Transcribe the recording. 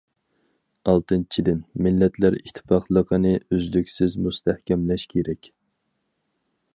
ئالتىنچىدىن، مىللەتلەر ئىتتىپاقلىقىنى ئۈزلۈكسىز مۇستەھكەملەش كېرەك.